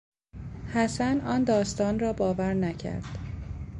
حسن آن داستان را باور نکرد.